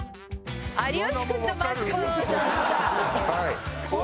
有吉君とマツコちゃんさ。